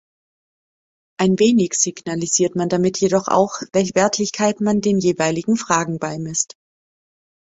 Ein wenig signalisiert man damit jedoch auch, welche Wertigkeit man den jeweiligen Fragen beimisst.